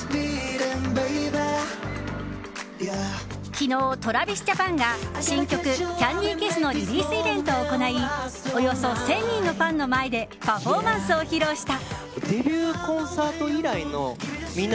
昨日ＴｒａｖｉｓＪａｐａｎが新曲「ＣａｎｄｙＫｉｓｓ」のリリースイベントを行いおよそ１０００人のファンの前でパフォーマンスを披露した。